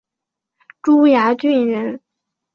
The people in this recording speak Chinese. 珠崖郡人。